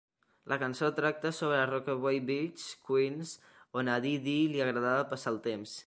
La cançó tracta sobre Rockaway Beach, Queens, on a Dee Dee li agradava passar el temps.